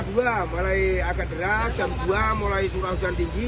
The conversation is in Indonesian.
setengah dua mulai agak deras jam dua mulai suruh hujan tinggi